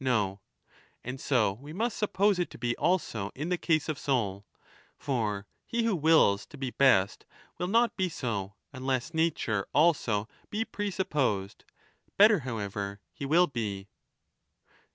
No. And so we must suppose it to be also in the case of soul. For he who wills to be best will not be 30 so, unless Nature also be presupposed ; better, however, he will be.